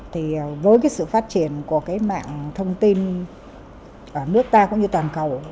thì với cái sự phát triển của cái mạng thông tin ở nước ta cũng như toàn cầu